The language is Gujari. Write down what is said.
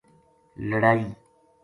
لڑائی